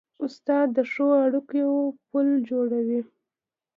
استاد د ښو اړیکو پل جوړوي.